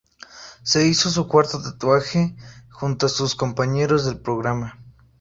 Se hizo su cuarto tatuaje junto a sus compañeros del programa.